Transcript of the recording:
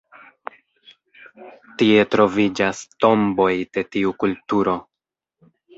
Tie troviĝas tomboj de tiu kulturo.